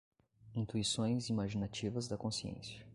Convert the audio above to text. Intuições imaginativas da consciência